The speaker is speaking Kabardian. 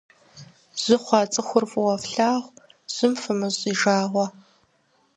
Жьы хъуа цӏыхур фӏыуэ флъагъу, жьым фымыщӏ и жагъуэ.